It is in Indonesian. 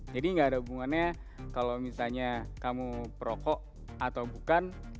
nggak ada hubungannya kalau misalnya kamu perokok atau bukan